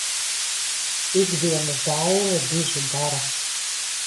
Ikdienas daile dižu dara.